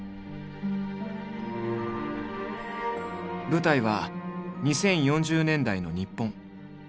舞台は２０４０年代の日本。